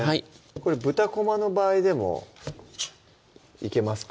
これ豚こまの場合でもいけますか？